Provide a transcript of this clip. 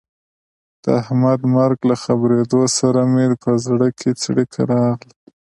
د احمد د مرګ له خبرېدو سره مې په زړه کې څړیکه راغله.